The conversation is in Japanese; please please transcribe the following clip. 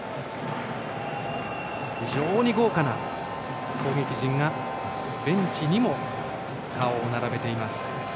非常に豪華な攻撃陣がベンチに顔を並べています。